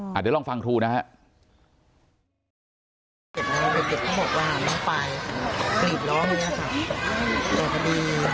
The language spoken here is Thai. เดี๋ยวลองฟังครูนะฮะ